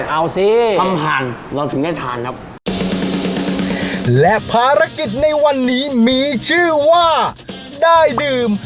เอาสิทำผ่านเราถึงได้ทานครับ